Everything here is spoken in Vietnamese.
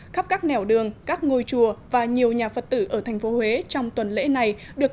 khắp các nẻo đường các ngôi chùa và nhiều nhà phật tử ở thành phố huế trong tuần lễ này được